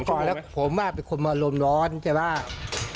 ก่อนแล้วผมเป็นคนอารมณ์ร้อนใช่ไหม